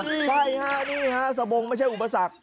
ใช่ค่ะนี่ฮะสบงไม่ใช่อุปสรรค